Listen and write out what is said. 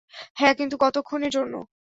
হ্যাঁ, কিন্তু কতক্ষণের জন্য?